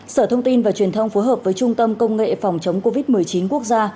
sở thông tin và truyền thông phối hợp với trung tâm công nghệ phòng chống covid một mươi chín quốc gia